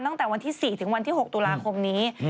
ตั้งแต่วันที่๔ถึงวันที่๖ตุลาคมนี้